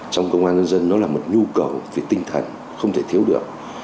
trong công an nhân dân nó là một nhu cầu về tinh thần không thể thiếu được